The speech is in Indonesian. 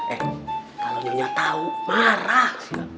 eh kalo nyonya tau marah